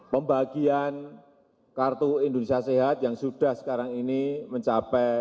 pembagian kartu indonesia sehat yang sudah sekarang ini mencapai